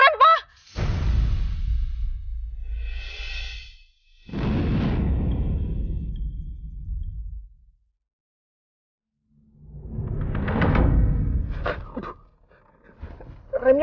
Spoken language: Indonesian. bentar lagi kau sampai ya